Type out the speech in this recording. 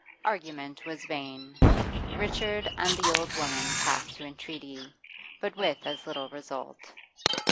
Argument was vain; Richard and the old woman passed to entreaty, but with as little result.